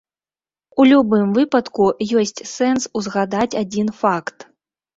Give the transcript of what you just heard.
У любым выпадку, ёсць сэнс узгадаць адзін факт.